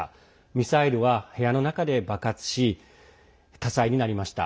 ミサイルは部屋の中で爆発し火災になりました。